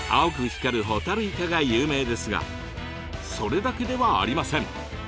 光るホタルイカが有名ですがそれだけではありません！